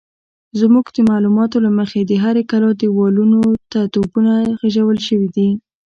زموږ د معلوماتو له مخې د هرې کلا دېوالونو ته توپونه خېژول شوي دي.